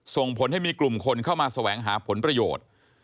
ส่งผลให้มีกลุ่มคนเข้ามาแสวงหาผลประโยชน์